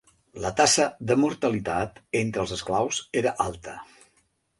La tassa de mortalitat entre els esclaus era alta.